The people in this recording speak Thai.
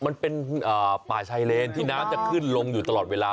มันเป็นป่าชายเลนที่น้ำจะขึ้นลงอยู่ตลอดเวลา